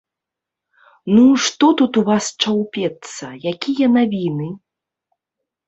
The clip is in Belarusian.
Ну, што тут у вас чаўпецца, якія навіны?